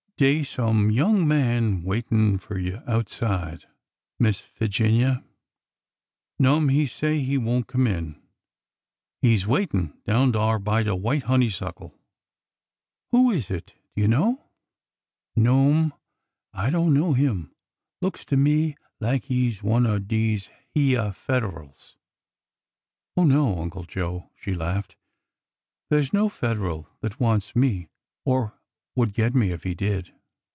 ''" Dey 's some young man waitin' fur you outside. Miss Figinia. No'm, he say he won't come in. He 's waitin' down dar by de white honeysuckle." " Who is it ? Do you know ?"" No'm. I don't know him. Looks to me lak he "s one o' dese hyeah Federals." " Oh, no. Uncle Joe," she laughed. " There 's no Fed eral that wants me ! or would get me if he did